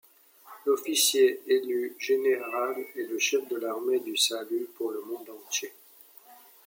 L'officier élu général est le chef de l'Armée du salut pour le monde entier.